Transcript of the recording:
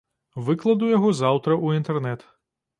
Выкладу яго заўтра ў інтэрнэт.